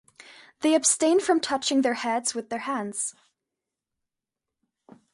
They abstain from touching their heads with their hands.